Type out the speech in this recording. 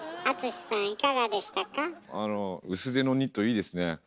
あの薄手のニットいいですね。